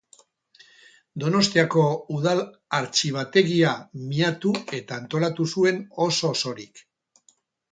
Donostiako udal artxibategia miatu eta antolatu zuen oso-osorik.